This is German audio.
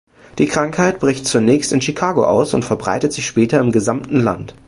Die Krankheit bricht zunächst in Chicago aus und verbreitet sich später im gesamten Land.